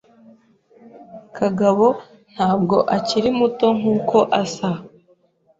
Kagabo ntabwo akiri muto nkuko asa.